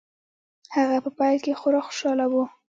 هغه په پيل کې خورا خوشحاله و.